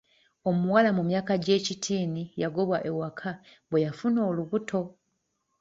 Omuwala mu myaka gy'ekitiini yagobwa ewaka bwe yafuna olubuto.